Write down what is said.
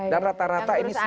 dan rata rata ini semua